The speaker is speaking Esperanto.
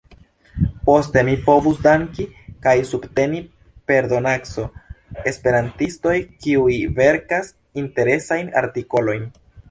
Poste mi povus danki kaj subteni per donaco esperantistojn kiuj verkas interesajn artikolojn.